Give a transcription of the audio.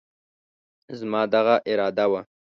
زما دغه اراده وه،